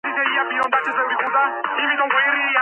ხოლო ერთი წლის შემდეგ მთავარი მწვრთნელად.